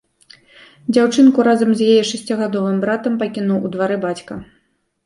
Дзяўчынку разам з яе шасцігадовым братам пакінуў у двары бацька.